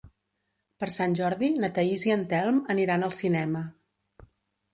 Per Sant Jordi na Thaís i en Telm aniran al cinema.